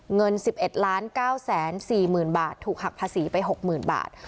เงิน๑๑๙๔๐๐๐บาทถูกหักภาษีไป๖๐๐๐บาท